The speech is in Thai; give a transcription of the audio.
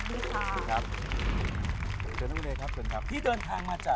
นาราธิวะสุโขลก